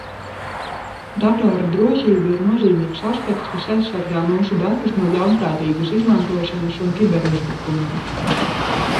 Datoru drošība ir nozīmīgs aspekts, kas aizsargā mūsu datus no ļaunprātīgas izmantošanas un kiberuzbrukumiem.